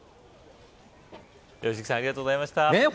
良幸さんありがとうございました。